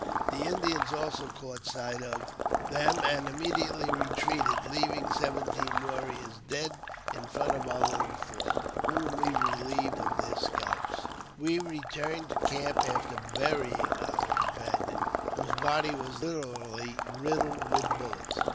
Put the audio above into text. The Indians 'also caught sight oi them, and immediately retreated, leaving seventeen warrioi dead in front of our little fort, whom we relieved of thei] scalps. We returned to camp after burying our companion, whos body was literally riddled with bullets.